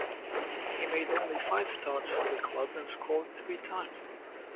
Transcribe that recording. He made only five starts for the club and scored three times.